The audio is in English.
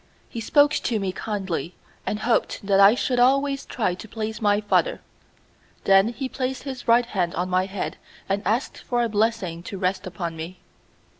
He spoke to me kindly, and hoped that I should always try to please my father. Then he placed his right hand on my head and asked for a blessing to rest upon me.